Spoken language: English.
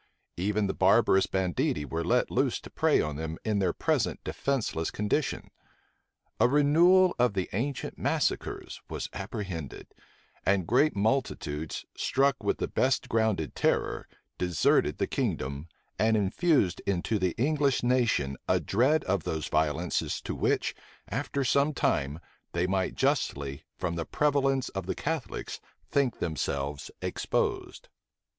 Even the barbarous banditti were let loose to prey on them in their present defenceless condition. A renewal of the ancient massacres was apprehended; and great multitudes, struck with the best grounded terror, deserted the kingdom, and infused into the English nation a dread of those violences to which, after some time, they might justly, from the prevalence of the Catholics, think themselves exposed.